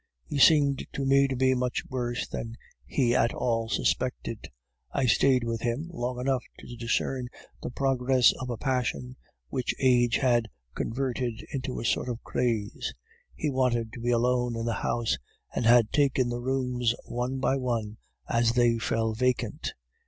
He seemed to me to be much worse than he at all suspected. I stayed with him long enough to discern the progress of a passion which age had converted into a sort of craze. He wanted to be alone in the house, and had taken the rooms one by one as they fell vacant.